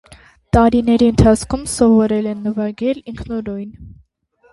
Տարիների ընթացքում սովորել է նվագել ինքնուրույն։